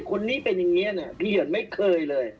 คนนี้เป็นอย่างนี้เนี่ยพี่เหยื่อนไม่เคยเลย